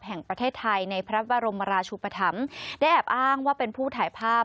แห่งประเทศไทยในพระบรมราชุปธรรมได้แอบอ้างว่าเป็นผู้ถ่ายภาพ